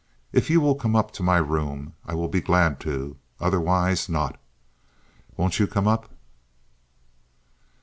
If you will come up to my room I will be glad to—otherwise not. Won't you come up?"